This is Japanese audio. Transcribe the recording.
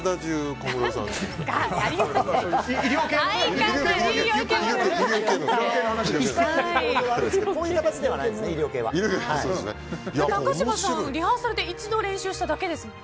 高嶋さん、リハーサルで一度練習しただけですよね。